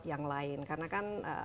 yang lain karena kan